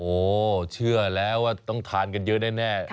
โอ้เชื่อแล้วว่าต้องทานกันเยอะแน่